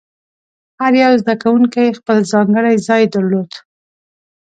هر یو زده کوونکی خپل ځانګړی ځای درلود.